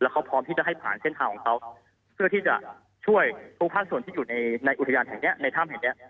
เขาพร้อมที่จะให้ผ่านเส้นทางของเขาเพื่อที่จะช่วยทุกภาคส่วนที่อยู่ในอุทยานแห่งเนี้ยในถ้ำแห่งเนี้ย